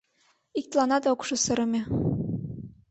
Иктыланат ок шу сырыме